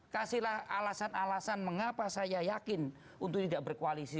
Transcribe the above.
kasihlah alasan alasan mengapa saya yakin untuk tidak berkoalisi